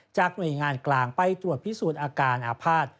หน่วยงานกลางไปตรวจพิสูจน์อาการอาภาษณ์